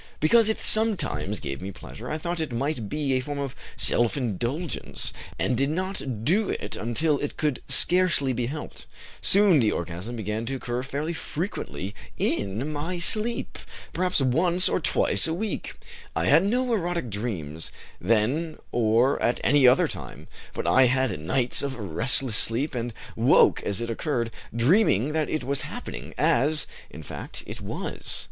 Because it sometimes gave me pleasure, I thought it might be a form of self indulgence, and did not do it until it could scarcely be helped. Soon the orgasm began to occur fairly frequently in my sleep, perhaps once or twice a week. I had no erotic dreams, then or at any other time, but I had nights of restless sleep, and woke as it occurred, dreaming that it was happening, as, in fact, it was.